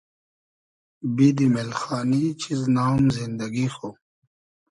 بیدیم اېلخانی چیز نام زیندئگی خو